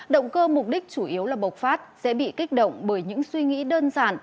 động cơ mục đích chủ yếu là bộc phát sẽ bị kích động bởi những suy nghĩ đơn giản